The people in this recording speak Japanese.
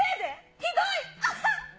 ひどい！